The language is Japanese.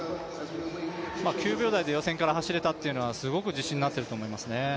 ９秒台で予選から走れたというのはすごく自信になると思いますね。